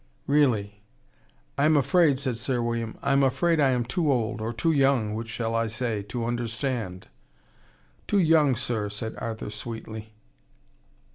"Really! I am afraid," said Sir William, "I am afraid I am too old or too young which shall I say? to understand." "Too young, sir," said Arthur sweetly.